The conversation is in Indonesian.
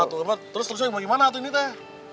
terus terusnya yang bagaimana tuh ini teh